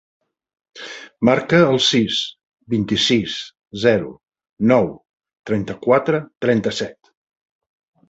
Marca el sis, vint-i-sis, zero, nou, trenta-quatre, trenta-set.